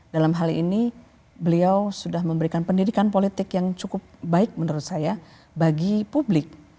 dalam hal ini beliau sudah memberikan pendidikan politik yang cukup baik menurut saya bagi publik